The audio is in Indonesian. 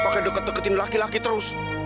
pakai deket deketin laki laki terus